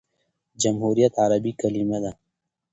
جمهوریت عربي کلیمه ده.